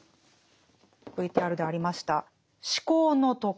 ＶＴＲでありました「思考の徳」。